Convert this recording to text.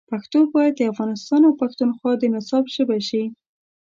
پښتو باید د افغانستان او پښتونخوا د نصاب ژبه شي.